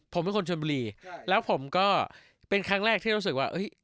ผมเป็นคนชนบุรีแล้วผมก็เป็นครั้งแรกที่รู้สึกว่า